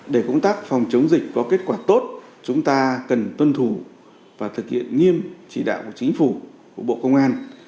để công tác phòng chống dịch có kết quả tốt chúng ta cần tuân thủ và thực hiện nghiêm chỉ đạo của chính phủ của bộ công an